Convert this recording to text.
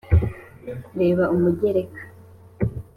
reba umugereka